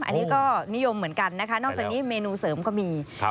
อันนี้ก็นิยมเหมือนกันนะคะนอกจากนี้เมนูเสริมก็มีครับ